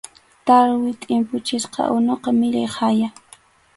Tarwi tʼimpuchisqa unuqa millay haya.